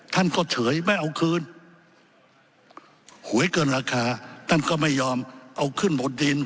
ท่านก็เฉยไม่เอาคืนหวยเกินราคาท่านก็ไม่ยอมเอาขึ้นบนดิน